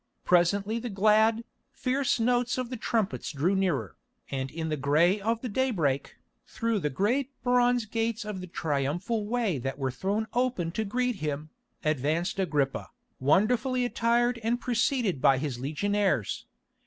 Presently the glad, fierce notes of the trumpets drew nearer, and in the grey of the daybreak, through the great bronze gates of the Triumphal Way that were thrown open to greet him, advanced Agrippa, wonderfully attired and preceded by his legionaries.